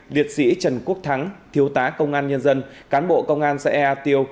hai liệt sĩ trần quốc thắng thiêu tá công an nhân dân cán bộ công an xã ea tiêu